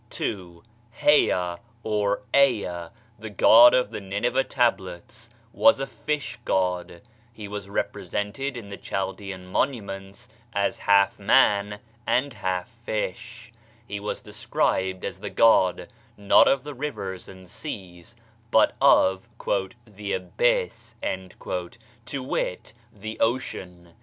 2. Hea or Ea, the god of the Nineveh tablets, was a fish god: he was represented in the Chaldean monuments as half man and half fish; he was described as the god, not of the rivers and seas, but of "the abyss" to wit, the ocean.